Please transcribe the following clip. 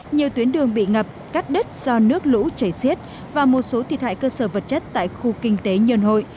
nhiều tuyến đường bị ngập cắt đất do nước lũ chảy xiết và một số thiệt hại cơ sở vật chất tại khu kinh tế nhân hội